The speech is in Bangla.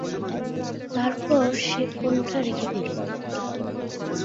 তারপর সে ফোনটা রেখে দিলো।